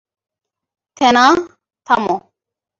থেনা, থামো!